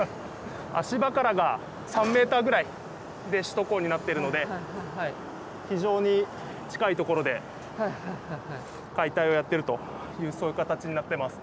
足場からが３ｍぐらいで首都高になってるので非常に近いところで解体をやってるというそういう形になってます。